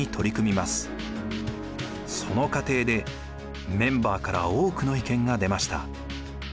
その過程でメンバーから多くの意見が出ました。